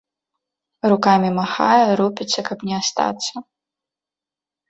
Рукамі махае, рупіцца, каб не астацца.